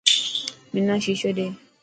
منا ششو ڏي.